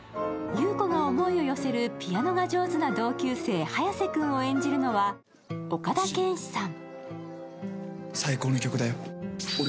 優子が思いを寄せるピアノが上手な同級生早瀬君を演じるのは岡田健史さん。